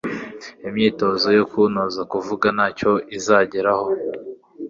imyitozo yo kuntoza kuvuga nta cyo izageraho,